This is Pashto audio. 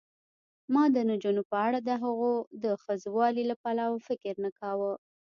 ما د نجونو په اړه دهغو د ښځوالي له پلوه فکر نه کاوه.